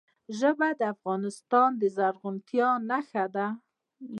ژبې د افغانستان د زرغونتیا نښه ده.